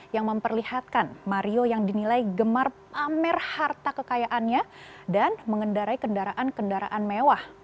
yang memperlihatkan mario yang dinilai gemar pamer harta kekayaannya dan mengendarai kendaraan kendaraan mewah